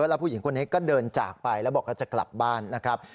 แล้วผู้หญิงคนนี้ก็เดินจากไปแล้วบอกว่าจะกลับบ้านนะครับ